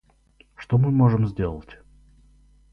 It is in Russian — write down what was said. Что мы можем сделать?